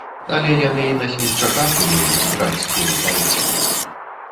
Але яны і на смельчаках умеюць драць скуру палосамі.